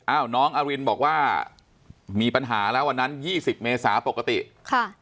น้องอรินบอกว่ามีปัญหาแล้ววันนั้นยี่สิบเมษาปกติค่ะ